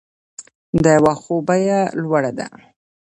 د واښو بیه لوړه ده؟